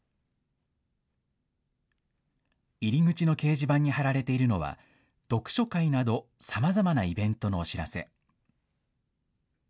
入り口の掲示板に貼られているのは、読書会など、さまざまなイベントのお知らせ。